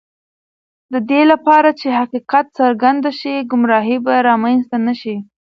د دې لپاره چې حقیقت څرګند شي، ګمراهی به رامنځته نه شي.